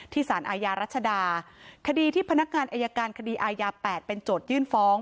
สารอาญารัชดาคดีที่พนักงานอายการคดีอายา๘เป็นโจทยื่นฟ้อง